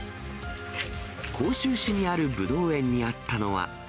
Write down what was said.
甲州市にあるブドウ園にあったのは。